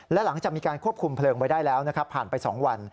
และหลังจากมีการควบคุมเพลิงไว้ได้แล้วนะครับผ่านไป๒วัน